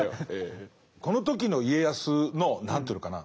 この時の家康の何というのかな